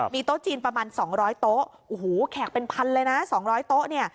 มีโต๊ะจีนประมาณ๒๐๐โต๊ะโอ้โหแขกเป็นพันเลยนะ๒๐๐โต๊ะเนี่ย